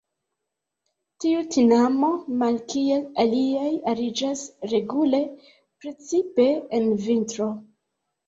Tiu tinamo, malkiel aliaj, ariĝas regule, precipe en vintro.